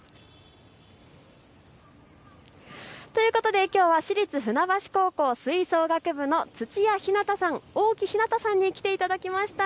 ということで、きょうは市立船橋高校吹奏楽部の土屋ひなたさん、大木陽詩さんに来ていただきました。